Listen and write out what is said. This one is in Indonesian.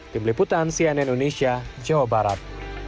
tim liputan cnn indonesia jawa barat